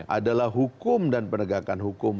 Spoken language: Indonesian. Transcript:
adalah hukum dan penegakan hukum